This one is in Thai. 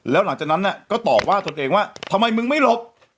แล้วหลังจากนั้นก็ตอบว่าตนเองว่าทำไมมึงไม่หลบ